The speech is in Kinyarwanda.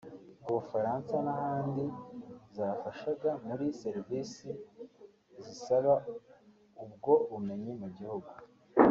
Ubufaransa n’ahandi zafashaga muri serevisi zisaba ubwo bumenyi mu gihugu